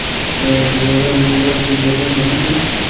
آیا د ایران بیرغ درې رنګه نه دی؟